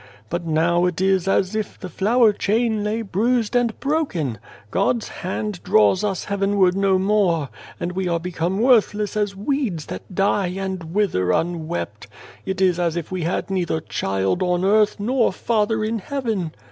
But now it is as if the flower chain lay bruised and broken. God's hand draws us heavenward no more, and we are become worthless as weeds that die and wither unwept. It is as if we had neither child on earth nor Father in heaven.